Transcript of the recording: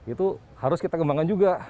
itu harus kita kembangkan juga